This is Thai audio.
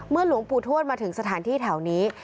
หลวงปู่ทวดมาถึงสถานที่แถวนี้